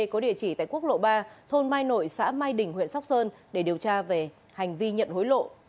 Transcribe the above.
có địa chỉ tại quốc lộ ba thôn mai nội xã mai đình huyện sóc sơn để điều tra về hành vi nhận hối lộ